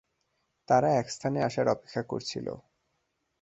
তারা একস্থানে আসার অপেক্ষা করছিলো।